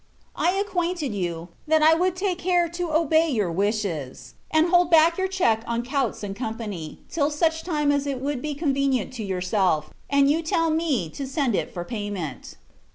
I acquainted you, that I would take care to obey your wishes, and hold back your check on Coutts and Co. till such time as it would be quite convenient to yourself, and you tell me to send it for payment.